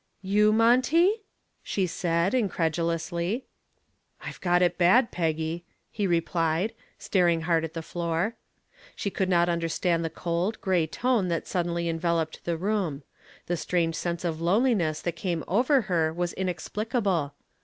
"You, Monty?" she said, incredulously. "I've got it bad, Peggy," he replied, staring hard at the floor. She could not understand the cold, gray tone that suddenly enveloped the room. The strange sense of loneliness that came over her was inexplicable.